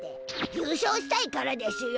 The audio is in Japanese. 優勝したいからでしゅよ。